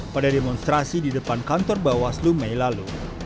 pada demonstrasi di depan kantor bawah slume lalu